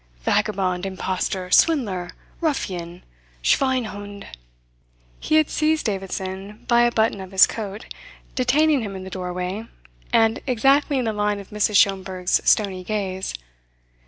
Vagabond, impostor, swindler, ruffian, schwein hund! He had seized Davidson by a button of his coat, detaining him in the doorway, and exactly in the line of Mrs. Schomberg's stony gaze.